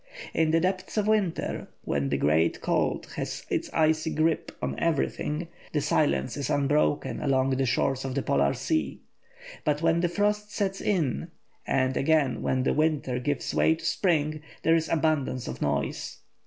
In the depth of winter, when the great cold has its icy grip on everything, the silence is unbroken along the shores of the Polar Sea; but when the frost sets in, and again when the winter gives way to spring, there is abundance of noise.